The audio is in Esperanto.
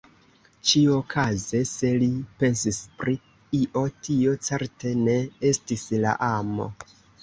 Ĉiuokaze, se li pensis pri io, tio certe ne estis la amo.